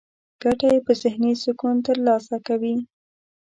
ګټه يې په ذهني سکون ترلاسه کوي.